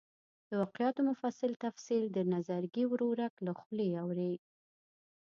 د واقعاتو مفصل تفصیل د نظرګي ورورک له خولې اوري.